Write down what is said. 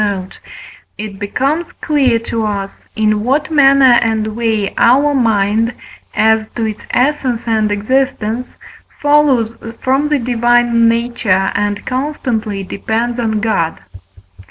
note), it becomes clear to us, in what manner and way our mind, as to its essence and existence, follows from the divine nature and constantly depends on God.